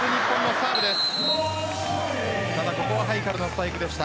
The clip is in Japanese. ここはハイカルのスパイクでした。